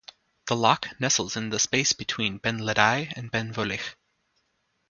The loch nestles in the space between Ben Ledi and Ben Vorlich.